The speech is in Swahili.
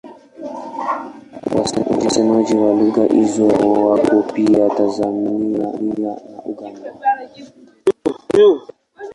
Wasemaji wa lugha hizo wako pia Tanzania na Uganda.